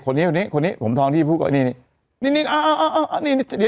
คนนี้คนนี้คนนี้ผมทองที่พูดก่อนเนี่ยเนี่ยอ่าอ่าอ่าเนี่ยเนี่ย